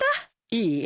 いいえ。